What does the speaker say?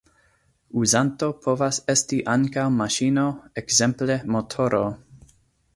Uzanto povas esti ankaŭ maŝino, ekzemple motoro.